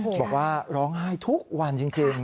บอกว่าร้องไห้ทุกวันจริง